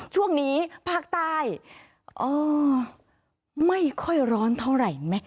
ช่วงนี้ภาคใต้อ๋อไม่ค่อยร้อนเท่าไหร่ไหม